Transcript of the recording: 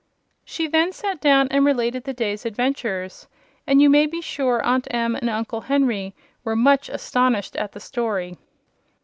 She then sat down and related the day's adventures, and you may be sure Aunt Em and Uncle Henry were much astonished at the story.